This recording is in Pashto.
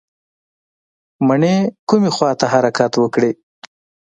مڼې کومې خواته حرکت وکړي؟